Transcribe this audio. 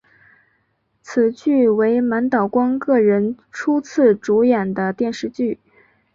此剧为满岛光个人初次主演的电视剧。